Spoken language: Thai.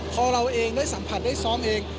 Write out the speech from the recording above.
พอเราเองได้สัมผัสได้ซ้อมเอง